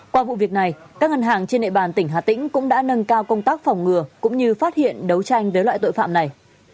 qua vụ việc này các ngân hàng trên địa bàn tỉnh hà tĩnh cũng đã nâng cao công tác phòng ngừa cũng như phát hiện đấu tranh với loại tội phạm này